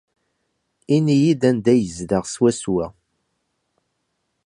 Ini-iyi-d anda ay yezdeɣ swaswa.